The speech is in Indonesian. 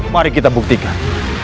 mari kita buktikan